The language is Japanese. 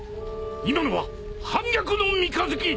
今のは反逆の三日月！？